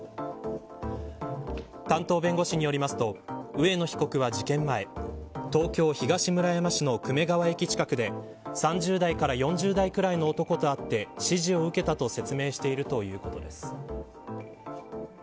担当弁護士によりますと上野被告は事件前東京、東村山市の久米川駅近くで３０代から４０代くらいの男と会って指示を受けたと説明しているということです。